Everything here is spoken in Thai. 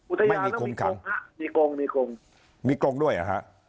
อุทยานต้องมีกลงครับมีกลงมีกลงด้วยเหรอครับ